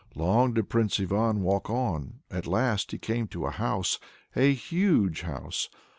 Long did Prince Ivan walk on; at last he came to a house, a huge house!